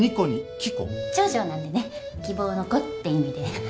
長女なんでね希望の子って意味で。